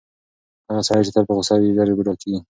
هغه سړی چې تل په غوسه وي، ژر بوډا کیږي.